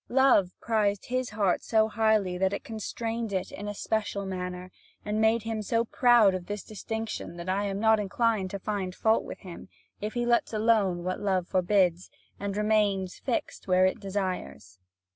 Love prized his heart so highly that it constrained it in a special manner, and made him so proud of this distinction that I am not inclined to find fault with him, if he lets alone what love forbids, and remains fixed where it desires.